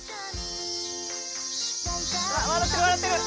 「笑ってる笑ってる。